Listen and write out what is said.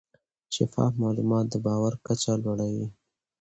شفاف معلومات د باور کچه لوړه وي.